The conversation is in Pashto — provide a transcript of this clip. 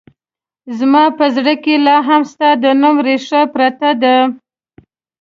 زما په زړه کې لا هم ستا د نوم رېښه پرته ده